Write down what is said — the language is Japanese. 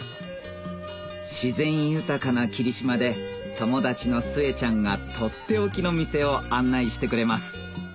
自然豊かな霧島で友達の末ちゃんがとっておきの店を案内してくれます